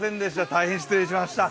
大変失礼しました。